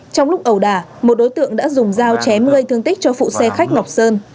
trong lúc ẩu đà một đối tượng đã dùng dao chém gây thương tích cho phụ xe khách ngọc sơn